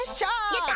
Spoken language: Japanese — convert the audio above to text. やった！